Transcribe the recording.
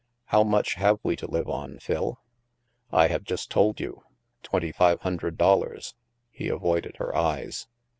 How much have we to live on, Phil ?"" I have just told you; twenty five hundred dol lars." He avoided her eyes.